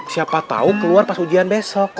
siapa tahu keluar pas ujian besok